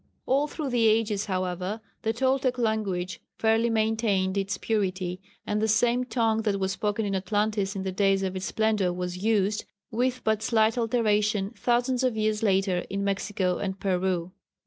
All through the ages, however, the Toltec language fairly maintained its purity, and the same tongue that was spoken in Atlantis in the days of its splendour was used, with but slight alterations, thousands of years later in Mexico and Peru.